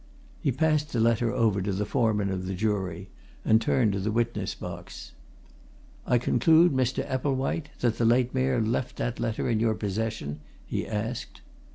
He passed the letter over to the foreman of the jury, and turned to the witness box. "I conclude, Mr. Epplewhite, that the late Mayor left that letter in your possession?" he asked.